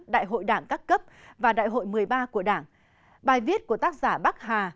đại hội đảng các cấp và đại hội một mươi ba của đảng bài viết của tác giả bắc hà